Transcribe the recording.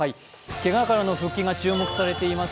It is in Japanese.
けがからの復帰が注目されています